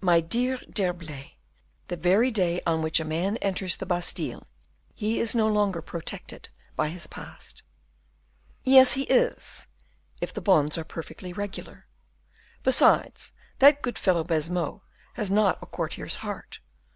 "My dear D'Herblay, the very day on which a man enters the Bastile, he is no longer protected by his past." "Yes, he is, if the bonds are perfectly regular; besides, that good fellow Baisemeaux has not a courtier's heart.